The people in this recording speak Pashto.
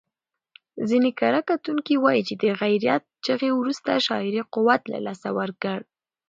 ځینې کره کتونکي وايي چې د غیرت چغې وروسته شاعري قوت له لاسه ورکړ.